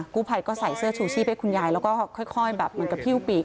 กู้ภัยก็ใส่เสื้อชูชีพให้คุณยายแล้วก็ค่อยแบบเหมือนกับหิ้วปีก